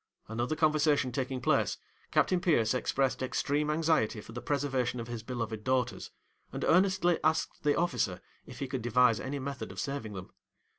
Another conversation taking place, Captain Pierce expressed extreme anxiety for the preservation of his beloved daughters, and earnestly asked the officer if he could devise any method of saving them.